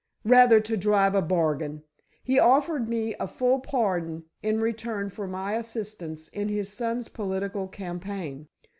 "Rather to drive a bargain. He offered me a full pardon in return for my assistance in his son's political campaign.